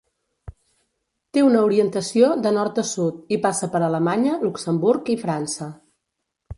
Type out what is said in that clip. Té una orientació de nord a sud i passa per Alemanya, Luxemburg i França.